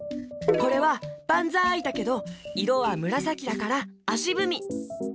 これは「ばんざい」だけどいろはむらさきだからあしぶみ。